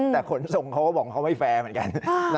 แต่ขนส่งเขาก็บอกเขาไม่แฟร์เหมือนกัน